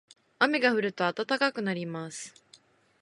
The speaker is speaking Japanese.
雨が降ると暖かくなります。